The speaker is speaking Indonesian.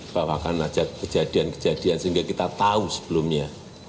bahwa akan ada kejadian kejadian sehingga kita tahu sebelumnya